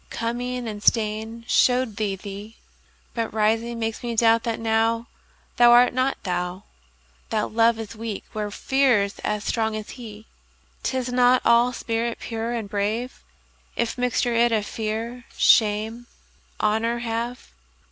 Coming and staying show'd thee thee; But rising makes me doubt that nowThou art not thou. That Love is weak where Fear's as strong as he;'Tis not all spirit pure and brave, If mixture it of Fear, Shame, Honour have.